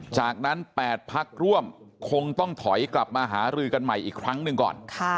จากนั้น๘พักร่วมคงต้องถอยกลับมาหารือกันใหม่อีกครั้งหนึ่งก่อน